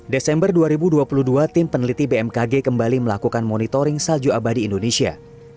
desember dua ribu dua puluh dua tim peneliti bmkg kembali melakukan monitoring salju abadi indonesia